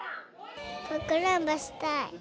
かくれんぼしたい。